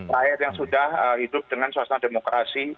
rakyat yang sudah hidup dengan suasana demokrasi